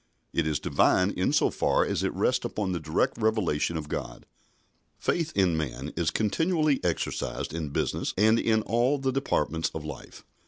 It is Divine in so far as it rests upon the direct revelation of God. Faith in man is continually exercised in business and in all the departments of life.